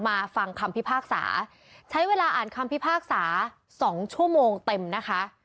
ฟังคำพิพากษาใช้เวลาอ่านคำพิพากษาสองชั่วโมงเต็มนะคะ